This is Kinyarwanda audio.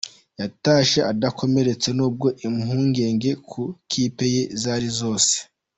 Yatashye adakomeretse nubwo impungenge ku ikipe ye zari zose.